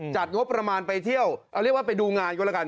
จัดงบประมาณไปเที่ยวเอาเรียกว่าไปดูงานก็แล้วกัน